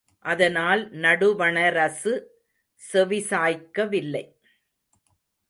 அதனால் நடுவணரசு செவிசாய்க்கவில்லை.